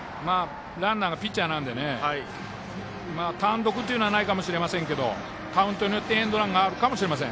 ランナーがピッチャーなので単独というのはないかもしれませんけどカウントによってエンドランがあるかもしれません。